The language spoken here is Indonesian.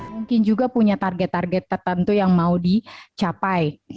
mungkin juga punya target target tertentu yang mau dicapai